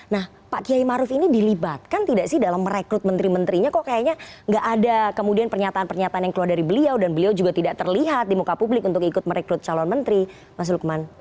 nah pak kiai maruf ini dilibatkan tidak sih dalam merekrut menteri menterinya kok kayaknya nggak ada kemudian pernyataan pernyataan yang keluar dari beliau dan beliau juga tidak terlihat di muka publik untuk ikut merekrut calon menteri mas lukman